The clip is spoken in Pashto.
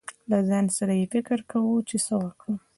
له ځان سره يې فکر کو، چې څه ورکړم.